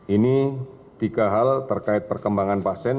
ini tiga hal terkait perkembangan pasien